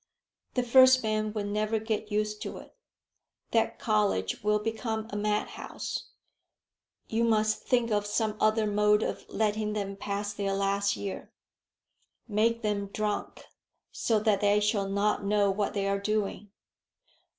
"The first man will never get used to it. That college will become a madhouse. You must think of some other mode of letting them pass their last year. Make them drunk, so that they shall not know what they are doing.